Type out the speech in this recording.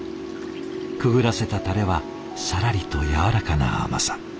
くぐらせたタレはさらりとやわらかな甘さ。